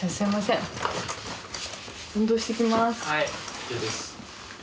ＯＫです。